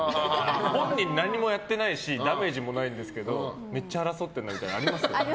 本人何もやってないしダメージもないんですけどめっちゃ争ってるなみたいなのありますよね。